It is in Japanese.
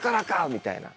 みたいな。